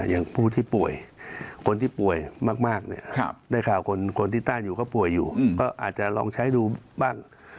อย่างผู้ที่ป่วยคนที่ป่วยมากเนี่ยได้ข่าวคนที่ต้านอยู่ก็ป่วยอยู่ก็อาจจะลองใช้ดูบ้าง